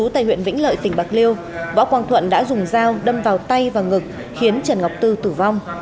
tại huyện vĩnh lợi tỉnh bạc liêu võ quang thuận đã dùng dao đâm vào tay và ngực khiến trần ngọc tư tử vong